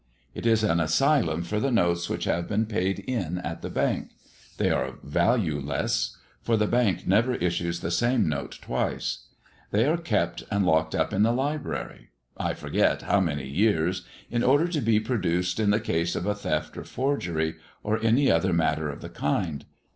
It is an asylum for the notes which have been paid in at the Bank. They are valueless; for the Bank never issues the same note twice. They are kept and locked up in the library, I forget how many years, in order to be produced in the case of a theft or forgery, or any other matter of the kind.